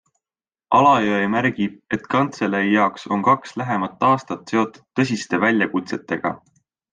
Alajõe märgib, et kantselei jaoks on kaks lähemat aastat seotud tõsiste väljakutsetega.